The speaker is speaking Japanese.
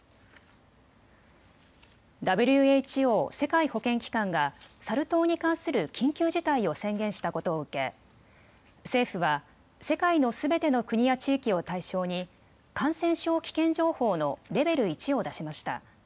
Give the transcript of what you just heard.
ＷＨＯ・世界保健機関がサル痘に関する緊急事態を宣言したことを受け政府は世界のすべての国や地域を対象に感染症危険情報のレベル１を出しました。